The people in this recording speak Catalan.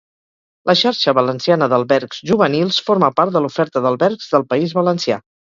La Xarxa Valenciana d'albergs juvenils forma part de l'oferta d'albergs del País Valencià.